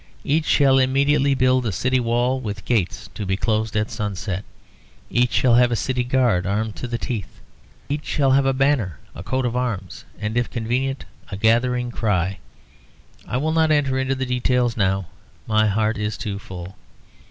Each shall immediately build a city wall with gates to be closed at sunset. Each shall have a city guard, armed to the teeth. Each shall have a banner, a coat of arms, and, if convenient, a gathering cry. I will not enter into the details now, my heart is too full.